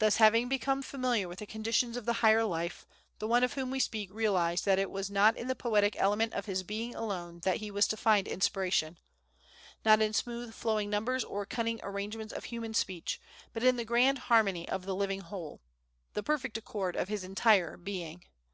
Thus having become familiar with the conditions of the higher life, the one of whom we speak realized that it was not in the poetic element of his being alone that he was to find inspiration, not in smooth flowing numbers or cunning arrangements of human speech, but in the grand harmony of the living whole the perfect accord of his entire being.